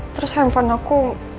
terus handphone aku